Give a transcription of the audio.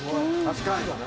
確かに。